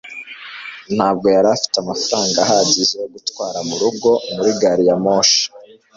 ntabwo yari afite amafaranga ahagije yo gutwara murugo muri gari ya moshi